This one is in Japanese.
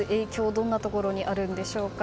どんなところにあるんでしょうか。